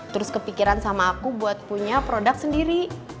terus kepikiran sama aku buat punya produk sendiri